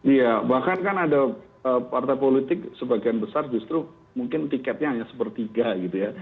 iya bahkan kan ada partai politik sebagian besar justru mungkin tiketnya hanya sepertiga gitu ya